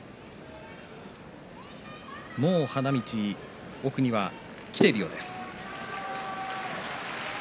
もう花道奥には来ているようです。